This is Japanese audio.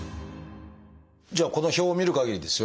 じゃあこの表を見るかぎりですよ